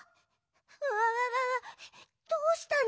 うわわわどうしたの！？